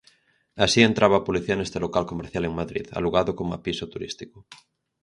Así entraba a policía neste local comercial en Madrid, alugado coma piso turístico.